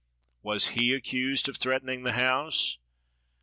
Was he accused of threatening the House